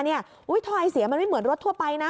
ท่อไอเสียมันไม่เหมือนรถทั่วไปนะ